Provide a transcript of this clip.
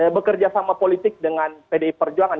bekerja sama politik dengan pdi perjuangan